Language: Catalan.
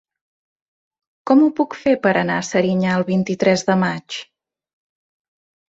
Com ho puc fer per anar a Serinyà el vint-i-tres de maig?